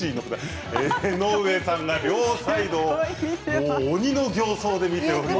江上さんが両サイドを鬼の形相で見ております。